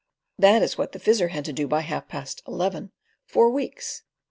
That is what the Fizzer had to do by half past eleven four weeks.